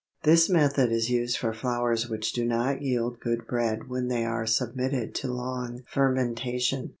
This method is used for flours which do not yield good bread when they are submitted to long fermentation.